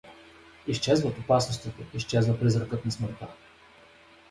Изчезват опасностите, изчезва призракът на смъртта.